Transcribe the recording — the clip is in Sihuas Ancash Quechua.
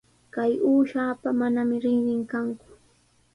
Kay uushapa manami rinrin kanku.